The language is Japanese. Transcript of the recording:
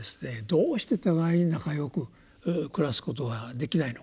どうして互いに仲よく暮らすことができないのか。